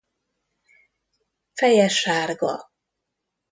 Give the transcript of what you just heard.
Feje sárga.